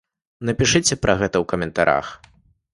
Напішыце пра гэта ў каментарах!